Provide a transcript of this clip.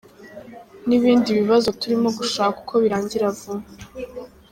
N’ibindi bibazo turimo gushaka uko birangira vuba.